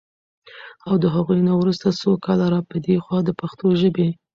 او د هغوی نه وروسته څو کاله را پدې خوا د پښتو ژبې